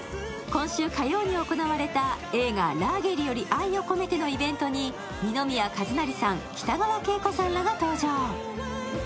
今週火曜に行われた映画「ラーゲリより愛を込めて」のイベントに二宮和也さん、北川景子さんらが登場。